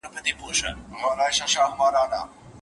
زه به د خپلي موخي لپاره هر ډول خطر ومنم.